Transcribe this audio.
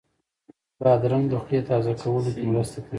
بادرنګ د خولې تازه کولو کې مرسته کوي.